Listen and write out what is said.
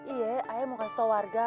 iya ayah mau kasih tahu warga